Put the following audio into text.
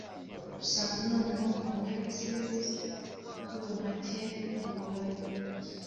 dusanga noneho "complexes" z'ubuhake n'ubukoloni